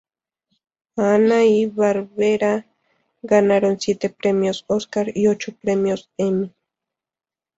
Hanna y Barbera ganaron siete premios Óscar y ocho premios Emmy.